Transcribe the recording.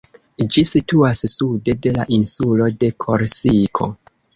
Ĝi situas sude de la insulo de Korsiko.